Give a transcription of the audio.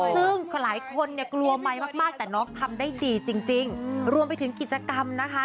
ซึ่งหลายคนเนี่ยกลัวไมค์มากแต่น้องทำได้ดีจริงรวมไปถึงกิจกรรมนะคะ